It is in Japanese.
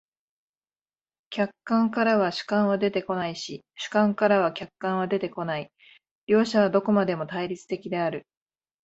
客観からは主観は出てこないし、主観からは客観は出てこない、両者はどこまでも対立的である。